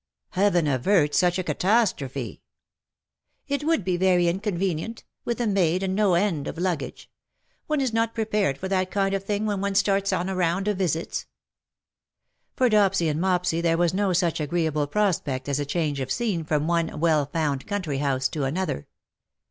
^^ Heaven avert such a catastrophe/' " It would be very inconvenient — with a maid, and no end of luggage. One is not prepared for that kind of thing when one starts on a round of visits." For Dopsy and Mopsy there was no such agree able prospect as a change of scene from one " well found" country house to another.